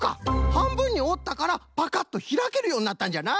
はんぶんにおったからパカッとひらけるようになったんじゃな。